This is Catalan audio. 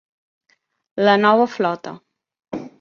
La nova flota.